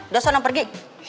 udah senang pergi